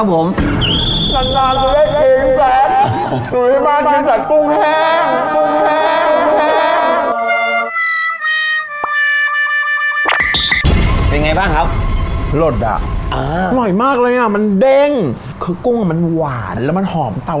โหเนื้อมันเด้งมากเลยอะ